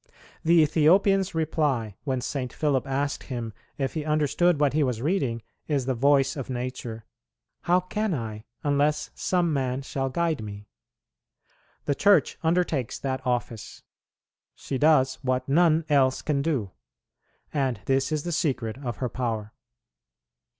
The Ethiopian's reply, when St. Philip asked him if he understood what he was reading, is the voice of nature: "How can I, unless some man shall guide me?" The Church undertakes that office; she does what none else can do, and this is the secret of her power.